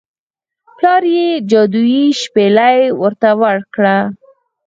پلار یې هغه جادويي شپیلۍ ورته ورکړه.